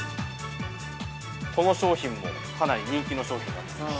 ◆この商品もかなり人気の商品なんです。